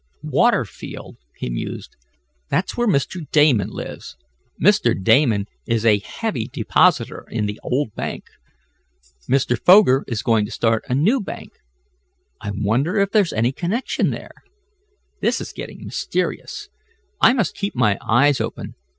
"Waterfield," he mused. "That's where Mr. Damon lives. Mr. Damon is a heavy depositor in the old bank. Mr. Foger is going to start a new bank. I wonder if there's any connection there? This is getting mysterious. I must keep my eyes open.